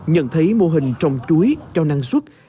nhận thấy mô hình trồng chuối cho năng suất